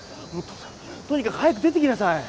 とにかく早く出ていきなさい